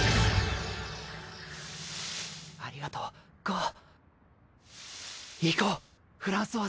ありがとうゴウ。